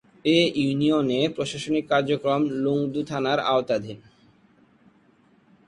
এ ইউনিয়নের প্রশাসনিক কার্যক্রম লংগদু থানার আওতাধীন।